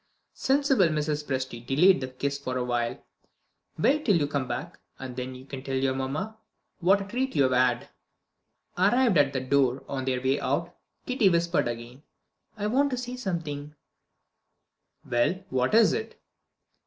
Sensible Mrs. Presty delayed the kiss for a while. "Wait till you come back, and then you can tell your mamma what a treat you have had." Arrived at the door on their way out, Kitty whispered again: "I want to say something" "Well, what is it?"